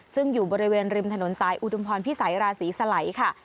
ซึ่งอยู่บริเวณริมถนนสายอุดมพรพิสัยราศีสลัยค่ะ